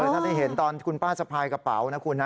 ถ้าได้เห็นตอนคุณป้าสะพายกระเป๋านะคุณนะ